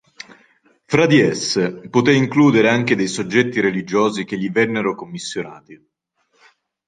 Fra di esse poté includere anche dei soggetti religiosi che gli vennero commissionati.